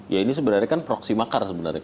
ya ini sebenarnya kan proksi makar sebenarnya